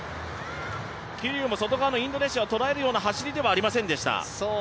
桐生も外側のインドネシアをとらえるような走りではありませんでした。